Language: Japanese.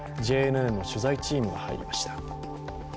ＪＮＮの取材チームが入りました。